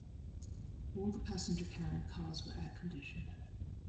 All the passenger-carrying cars were air-conditioned.